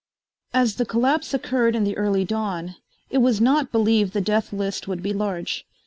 As the collapse occurred in the early dawn it was not believed the death list would be large.